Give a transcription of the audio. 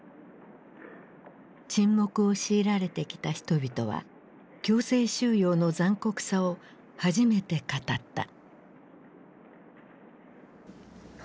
沈黙を強いられてきた人々は強制収容の残酷さを初めて語った。